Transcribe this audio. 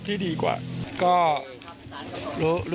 ก็ตอบได้คำเดียวนะครับ